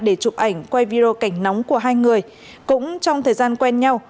để chụp ảnh quay video cảnh nóng của hai người cũng trong thời gian quen nhau